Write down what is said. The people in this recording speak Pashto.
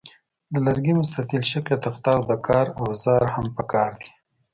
د لرګي مستطیل شکله تخته او د کار اوزار هم پکار دي.